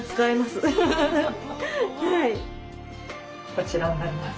こちらになります。